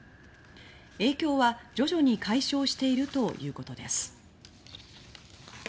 影響は徐々に解消しているということです。